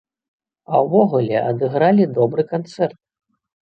А ўвогуле адыгралі добры канцэрт!